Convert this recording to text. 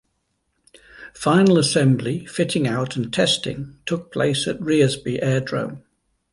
Final assembly, fitting out and testing took place at Rearsby aerodrome.